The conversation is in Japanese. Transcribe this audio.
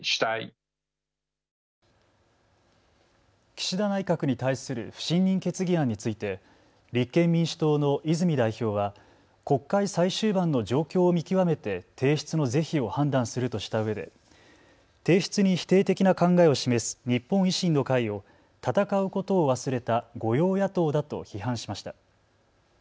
岸田内閣に対する不信任決議案について立憲民主党の泉代表は国会最終盤の状況を見極めて提出の是非を判断するとしたうえで提出に否定的な考えを示す日本維新の会を戦うことを忘れた御用野党だと批判しました。